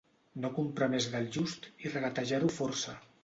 No comprar més del just i regatejar-ho força.